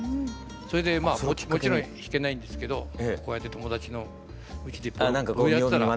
それでもちろん弾けないんですけどこうやって友達のうちでポロンポロンやってたら。